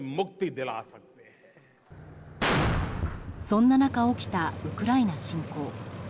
そんな中、起きたウクライナ侵攻。